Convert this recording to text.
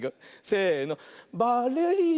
せの。